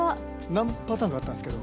何パターンかあったんですけど。